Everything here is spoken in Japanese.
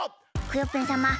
クヨッペンさま